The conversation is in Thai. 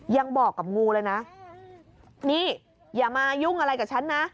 ยังบอกกับงูเลยนะนี่อย่ามายุ่งอะไรกับฉันนะ